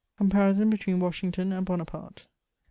COHPABIBON BETWEEN WA8HINOTON AND BONAPABTB.